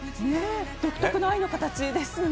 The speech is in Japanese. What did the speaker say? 独特の愛の形ですね。